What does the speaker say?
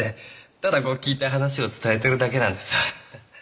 ただこう聞いた話を伝えてるだけなんでさ。